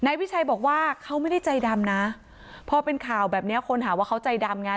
วิชัยบอกว่าเขาไม่ได้ใจดำนะพอเป็นข่าวแบบนี้คนหาว่าเขาใจดำไง